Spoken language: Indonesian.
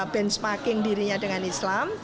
benchmarking dirinya dengan islam